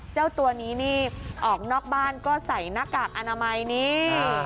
เจ้าตัวนี้นี่ออกนอกบ้านก็ใส่หน้ากากอนามัยนี่